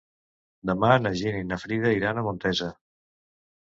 Demà na Gina i na Frida iran a Montesa.